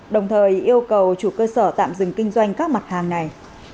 đồng thời yêu cầu chủ cơ sở tạm dừng kinh doanh các mặt hàng này